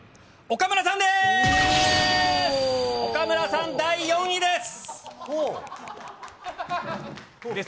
岡村さん、第４位です。